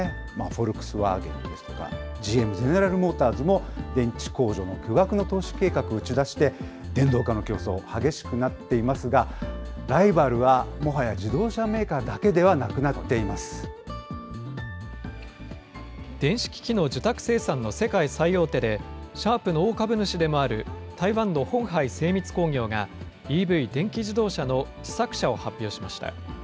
フォルクスワーゲンですとか、ＧＭ・ゼネラル・モーターズも電池工場の巨額の投資計画を打ち出して、電動化の競争、激しくなっていますが、ライバルはもはや自動車メーカーだけではなくなってい電子機器の受託生産の世界最大手で、シャープの大株主でもある台湾のホンハイ精密工業が、ＥＶ・電気自動車の試作車を発表しました。